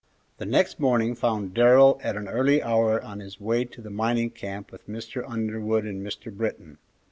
The next morning found Darrell at an early hour on his way to the mining camp with Mr. Underwood and Mr. Britton.